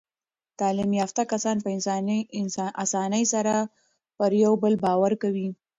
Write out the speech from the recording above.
تعلیم یافته کسان په اسانۍ سره پر یو بل باور کوي.